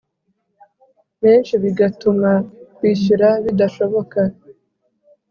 menshi, bigatuma kwishyura bidashoboka.